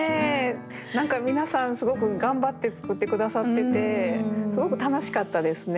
何か皆さんすごく頑張って作って下さっててすごく楽しかったですね。